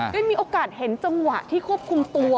ได้มีโอกาสเห็นจังหวะที่ควบคุมตัว